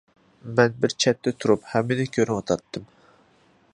مەن بىر چەتتە تۇرۇپ ھەممىنى كۆرۈۋاتاتتىم.